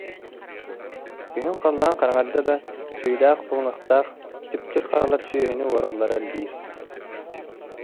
Күһүн халлаан хараҥарда да, түүлээх уллуҥахтаах Түптүр Харалар сүөһүнү уораллара элбиир